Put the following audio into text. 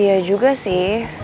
iya juga sih